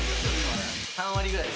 ３割ぐらいで。